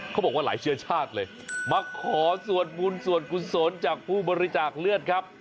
เขาบอกว่าหลายเชื้อชาติเลยมาขอสวดบุญส่วนกุศลจากผู้บริจาคเลือดครับ